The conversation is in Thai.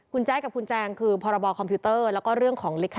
คุณแจ๊กกับคุณแจงคือพารบคอมพิวเตอร์และเรื่องของเลขสิทธิ์